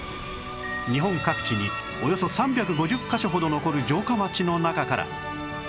日本各地におよそ３５０カ所ほど残る城下町の中から